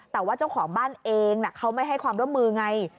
แต่ว่าเจ้าของบ้านเองเขาไม่ให้ความร่วมมือไง